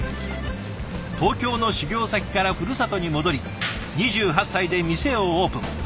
東京の修業先からふるさとに戻り２８歳で店をオープン。